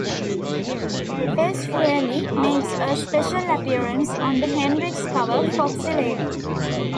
Ace Frehley makes a special appearance on the Hendrix cover "Foxy Lady".